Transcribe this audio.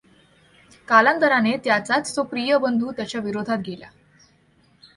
कालांतराने त्याचाच तो प्रिय बंधू त्याच्या विरोधात गेला.